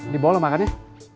di bawah lo makannya